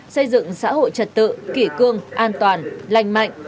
xây dựng xã hội trật tự kỷ cương an toàn lành mạnh